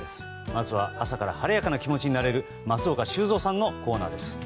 まずは朝から晴れやかな気持ちになれる松岡修造さんのコーナーです。